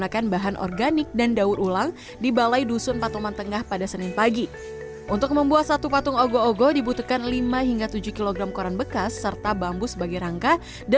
kegiatan serupa juga dilakukan di banyar semangka